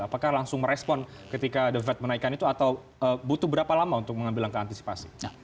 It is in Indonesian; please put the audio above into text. apakah langsung merespon ketika the fed menaikkan itu atau butuh berapa lama untuk mengambil langkah antisipasi